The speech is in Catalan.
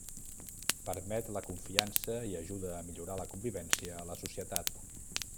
Permet la confiança i ajuda a millorar la convivència a la societat.